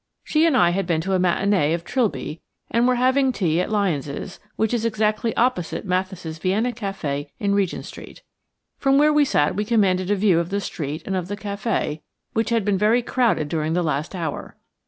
She and I had been to a matinée of "Trilby," and were having tea at Lyons', which is exactly opposite Mathis' Vienna café in Regent Street. From where we sat we commanded a view of the street and of the café, which had been very crowded during the last hour.